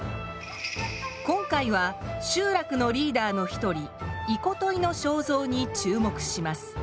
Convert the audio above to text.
今回は集落のリーダーの一人イコトイの肖像に注目します。